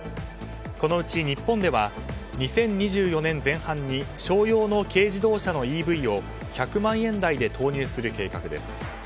このうち、日本では２０２４年前半に商用の軽自動車のＥＶを１００万円台で投入する計画です。